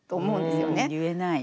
言えない。